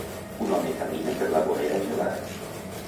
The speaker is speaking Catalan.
un home camina per la vorera gelada.